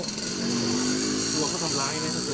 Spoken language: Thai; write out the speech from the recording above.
กลัวเขาทำร้ายไหม